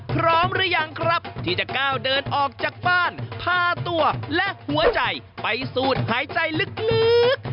พร้อมหรือยังครับที่จะก้าวเดินออกจากบ้านพาตัวและหัวใจไปสูดหายใจลึก